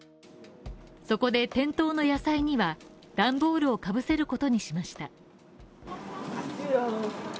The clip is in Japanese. そこで店頭の野菜には、段ボールをかぶせることにしました。